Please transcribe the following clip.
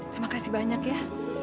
terima kasih banyak ya